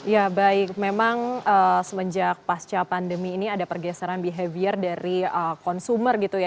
ya baik memang semenjak pasca pandemi ini ada pergeseran behavior dari consumer gitu ya